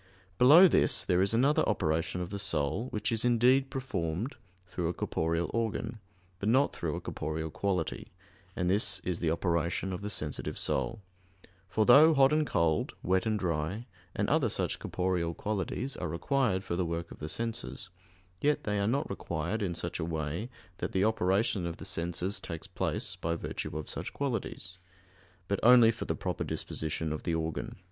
_ Below this, there is another operation of the soul, which is indeed performed through a corporeal organ, but not through a corporeal quality, and this is the operation of the sensitive soul; for though hot and cold, wet and dry, and other such corporeal qualities are required for the work of the senses, yet they are not required in such a way that the operation of the senses takes place by virtue of such qualities; but only for the proper disposition of the organ.